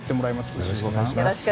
よろしくお願いします。